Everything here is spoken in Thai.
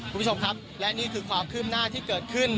คุณผู้ชมครับและนี่คือความคืบหน้าที่เกิดขึ้น